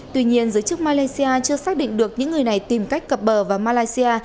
tuy nhiên giới chức malaysia chưa xác định được những người này tìm cách cập bờ vào malaysia